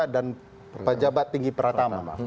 dan pejabat tinggi pertama